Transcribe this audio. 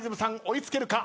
追い付けるか。